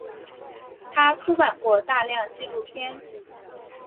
他出版过大量纪录片。